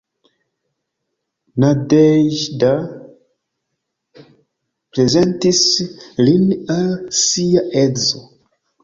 Nadeĵda prezentis lin al sia edzo.